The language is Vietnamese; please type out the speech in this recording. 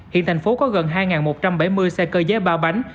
hiện thành phố có gần hai một trăm bảy mươi xe cơ giới ba bánh